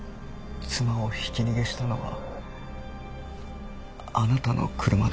妻をひき逃げしたのはあなたの車だ。